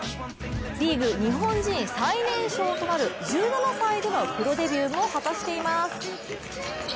リーグ日本人最年少となる１７歳でのプロデビューも果たしています。